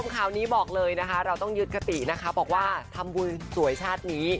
คราวนี้บอกเลยนะคะเราต้องยึดคตินะคะบอกว่าทำบุญสวยชาตินี้